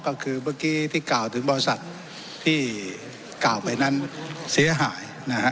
ก็คือเมื่อกี้ที่กล่าวถึงบริษัทที่กล่าวไปนั้นเสียหายนะฮะ